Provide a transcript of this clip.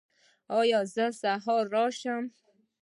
ایا زه سهار راشم؟